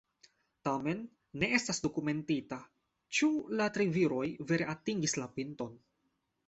Tamen ne estas dokumentita, ĉu la tri viroj vere atingis la pinton.